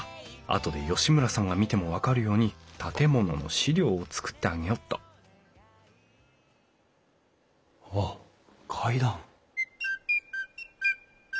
あとで吉村さんが見ても分かるように建物の資料を作ってあげよっとあっ階段。